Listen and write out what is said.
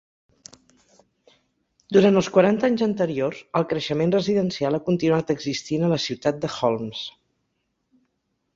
Durant els quaranta anys anteriors, el creixement residencial ha continuat existint a la Ciutat de Holmes.